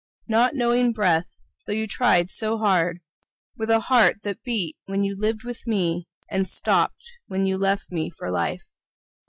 Not knowing Breath, though you tried so hard, With a heart that beat when you lived with me, And stopped when you left me for Life.